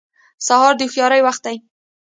سهار د هوښیارۍ وخت دی.